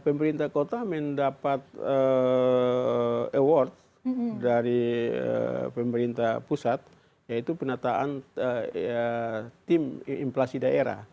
pemerintah kota mendapat ewort dari pemerintah pusat yaitu penataan tim inflasi daerah